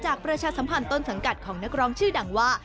ประชาสัมพันธ์ต้นสังกัดของนักร้องชื่อดังว่า